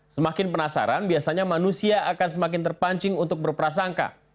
semakin penasaran biasanya manusia akan semakin terpancing untuk berprasangka